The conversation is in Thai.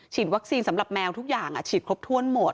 วัคซีนสำหรับแมวทุกอย่างฉีดครบถ้วนหมด